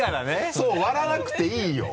そう割らなくていいよ！